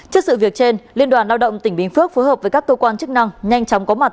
trước sự việc trên liên đoàn lao động tỉnh bình phước phối hợp với các cơ quan chức năng nhanh chóng có mặt